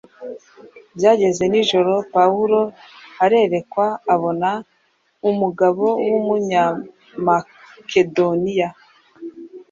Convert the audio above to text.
byageze nijoro Pawulo arerekwa abona umugabo w’umunyamakedoniya,